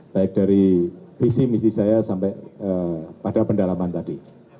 baik dari visi misi saya sampai pada pendalaman tadi